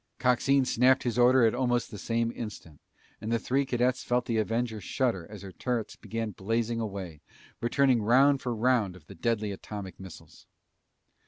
Coxine snapped his order at almost the same instant and the three cadets felt the Avenger shudder as her turrets began blazing away, returning round for round of the deadly atomic missiles.